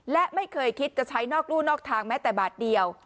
และไม่เคยคิดจะใช้นอกรู่นอกทางแม้แต่บาทเดียว